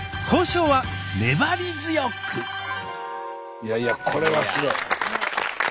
いやいやこれはすごい。